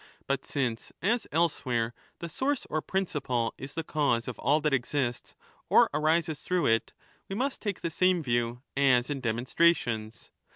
But since, as elsewhere, the source or principle 30 is the cause of all that exists or arises through it, we must take the same view as in demonstrations.